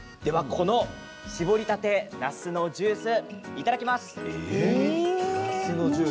この搾りたてなすのジュースいただきます。